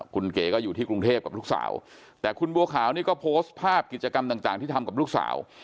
คุณเก๋ก็อยู่ที่กรุงเทพกับลูกสาวแต่คุณบัวขาวนี่ก็โพสต์ภาพกิจกรรมต่างที่ทำกับลูกสาว